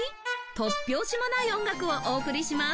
突拍子もない音楽をお送りします！